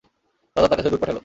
রাজা তার কাছে দূত পাঠাল।